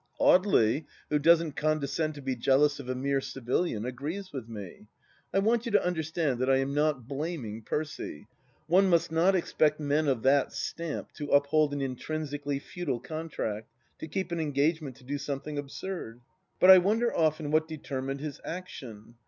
Audely, who doesn't condescend to be jealous of a mere civilian, agrees with me. I want you to understand that I am not blaming Percy. One must not expect men of that stamp to uphold an intrinsically futile contract, to keep an engagement to do something absurd. But I wonder, often, what determined his action